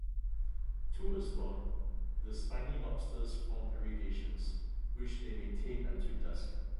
Towards dawn, the spiny lobsters form aggregations, which they maintain until dusk.